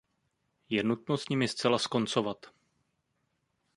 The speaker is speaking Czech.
Je nutno s nimi zcela skoncovat.